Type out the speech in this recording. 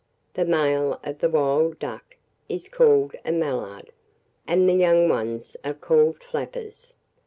The male of the wild dock is called a mallard; and the young ones are called flappers.